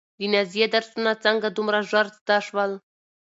د نازيې درسونه څنګه دومره ژر زده شول؟